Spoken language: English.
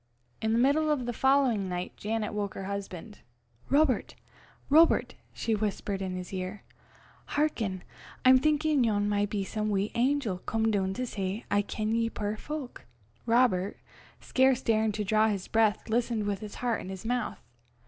In the middle of the following night, Janet woke her husband. "Robert! Robert!" she whispered in his ear, "hearken. I'm thinkin' yon maun be some wee angel come doon to say, 'I ken ye, puir fowk.'" Robert, scarce daring to draw his breath, listened with his heart in his mouth.